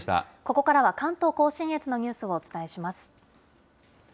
ここからは関東甲信越のニュースをお伝えします。